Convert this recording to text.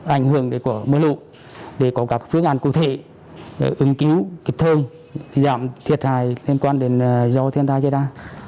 ảnh hưởng đến mưa lụt để có các phương án cụ thể ứng cứu kịp thời giảm thiệt hại liên quan đến do thiên gia chơi đa